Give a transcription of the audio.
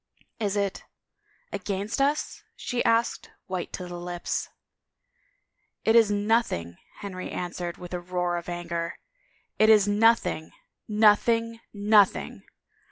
It is — against us?" she asked, white to the lips. It is nothing!'^ Henry answered with a roar of anger. "It is nothing — nothing — nothing!